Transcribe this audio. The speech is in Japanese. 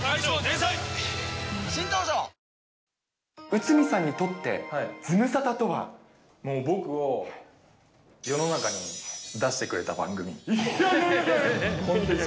内海さんにとって、ズムサタもう僕を世の中に出してくれいやいやいや。